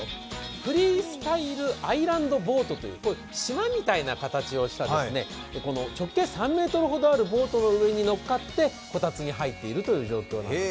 ＦｒｅｅｓｔｙｌｅＩｓｌａｎｄＢｏａｔという、島みたいな形をした直径３ｍほどあるボートの上に乗っかってこたつに入っているという状況なんです。